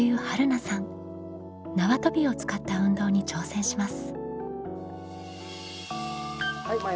縄跳びを使った運動に挑戦します。